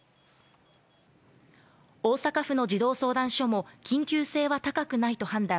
大阪府の児童相談所も、緊急性は高くないと判断。